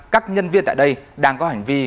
các nhân viên tại đây đang có hành vi